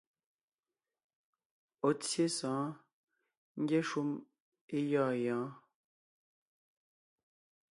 Ɔ̀ tsyé sɔ̌ɔn ngyɛ́ shúm é gyɔ̂ɔn gyɔ̌ɔn.